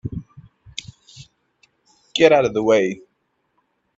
Get out of the way!